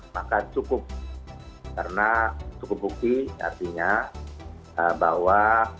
maka cukup karena cukup bukti artinya bahwa